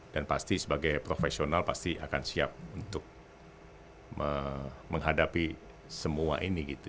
pasti sebagai profesional pasti akan siap untuk menghadapi semua ini gitu